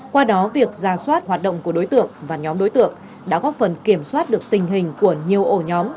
qua đó việc ra soát hoạt động của đối tượng và nhóm đối tượng đã góp phần kiểm soát được tình hình của nhiều ổ nhóm